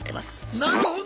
なるほど！